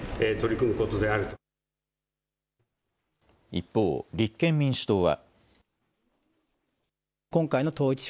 一方、立憲民主党は。